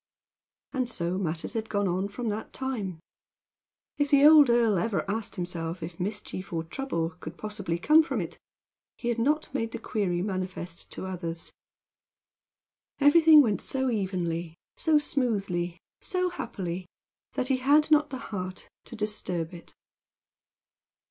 And so matters had gone on from that time. If the old earl had ever asked himself if mischief, or trouble, could possibly come from it, he had not made the query manifest to others. Everything went so evenly, so smoothly, and so happily, that he had not the heart to disturb it.